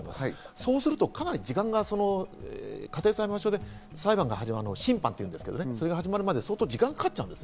そうするとかなり家庭裁判所で裁判が始まるのが審判というんですけど、それが始まるまで時間がかかっちゃう。